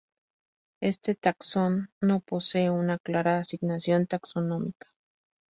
Este taxón no posee una clara asignación taxonómica.